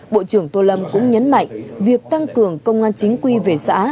bộ trưởng tô lâm cũng nhấn mạnh việc tăng cường công an chính quy về xã